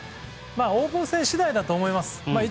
オープン戦次第だと思います。